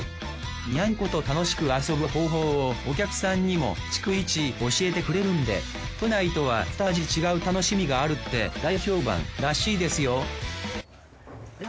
にゃんこと楽しく遊ぶ方法をお客さんにも逐一教えてくれるんで都内とは二味違う楽しみがあるって大評判らしいですようわ